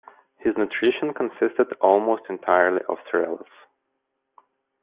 His nutrition consisted almost entirely of cereals.